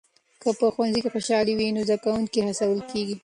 که په ښوونځي کې خوشالي وي نو زده کوونکي هڅول کېږي.